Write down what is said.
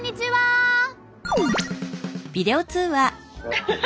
アハハハ！